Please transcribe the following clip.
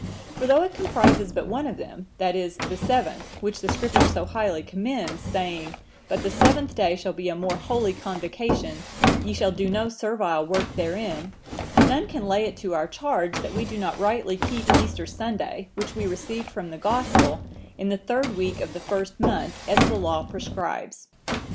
For though it comprises but one of them, that is, the seventh, which the Scripture so highly commends, saying,(964) 'But the seventh day shall be a more holy convocation, ye shall do no servile work therein,' none can lay it to our charge, that we do not rightly keep Easter Sunday, which we received from the Gospel, in the third week of the first month, as the Law prescribes.